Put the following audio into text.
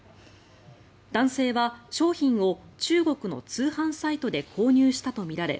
男性は商品を中国の通販サイトで購入したとみられ